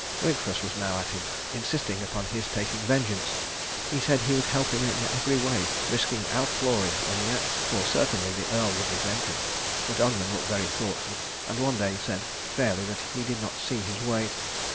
Wigfus was now at him, insisting upon his taking vengeance. He said he would help him in every way, risking outlawry in the act, for certainly the Earl would resent it. But Ogmund looked very thoughtful, and one day said fairly that he did not see his way.